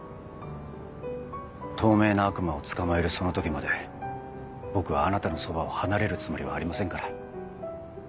透明な悪魔を捕まえるその時まで僕はあなたのそばを離れるつもりはありませんから。